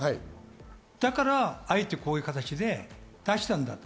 だからあえてこういう形で出したんだと。